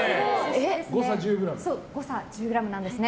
誤差１０ｇなんですね。